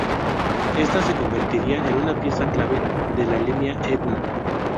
Esta se convertiría en una pieza clave de la Línea Etna.